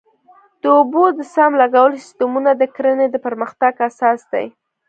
د اوبو د سم لګولو سیستمونه د کرنې د پرمختګ اساس دی.